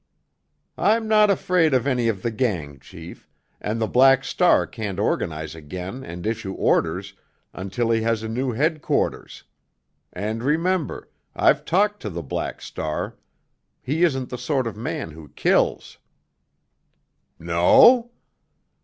"I'm not afraid of any of the gang, chief, and the Black Star can't organize again and issue orders until he has a new headquarters. And, remember, I've talked to the Black Star. He isn't the sort of man who kills." "No?"